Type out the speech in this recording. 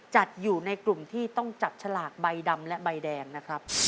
จัดอยู่ในกลุ่มที่ต้องจับฉลากใบดำและใบแดงนะครับ